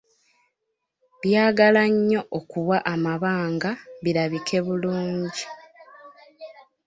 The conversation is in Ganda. Byagala nnyo okuwa amabanga birabike bulungi.